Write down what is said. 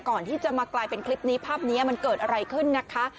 ก่อนที่จะมากลายเป็นคลิปนี้ภาพนี้มันเกิดอะไรขึ้นนะคะ